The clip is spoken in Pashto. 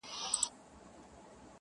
بیا ماشومانو ته بربنډي حوري -